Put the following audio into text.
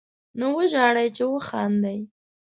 نو وژاړئ، چې وخاندئ